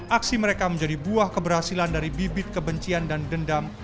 aksi mereka menjadi buah keberhasilan dari bibit kebencian dan dendam